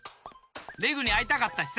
レグにあいたかったしさ。